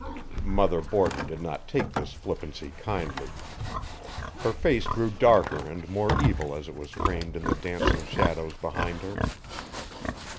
Mother Borton did not take this flippancy kindly. Her face grew darker and more evil as it was framed in the dancing shadows behind her.